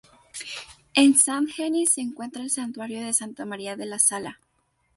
En Sant Genís se encuentra el santuario de Santa María de la Sala.